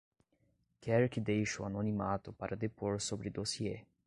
Quer que deixe o anonimato para depor sobre dossiê